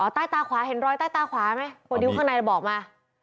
ใต้ตาขวาเห็นรอยใต้ตาขวาไหมโปรดิวข้างในบอกมา